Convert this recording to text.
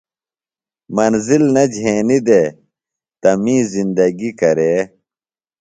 منزل نہ جھینیۡ دےۡ تہ می زندگی کرے۔